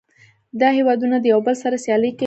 دا هیوادونه د یو بل سره سیالي کوي